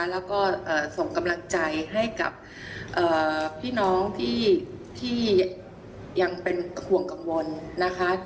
แล้วก็ส่งกำลังใจให้กับพี่น้องที่ยังเป็นห่วงกังวลนะคะ